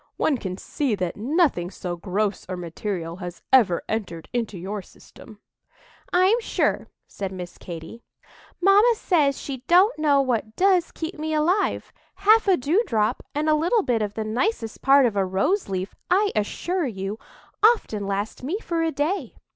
"One can see that nothing so gross or material has ever entered into your system." "I'm sure," said Miss Katy, "mamma says she don't know what does keep me alive; half a dewdrop and a little bit of the nicest part of a rose leaf, I assure you, often last me for a day.